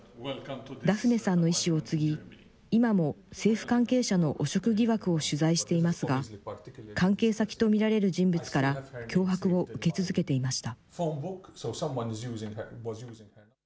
ダフネさんの遺志を継ぎ、今も政府関係者の汚職疑惑を取材していますが、関係先と見られる人物から脅迫を受け続けていました。